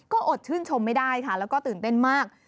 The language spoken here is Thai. ก็อดชื่นชมไม่ได้ค่ะแล้วก็ตื่นเต้นมาก